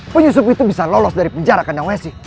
penyusup itu bisa lolos dari penjara kandang messi